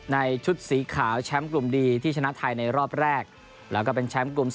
ชุดสีขาวแชมป์กลุ่มดีที่ชนะไทยในรอบแรกแล้วก็เป็นแชมป์กลุ่ม๒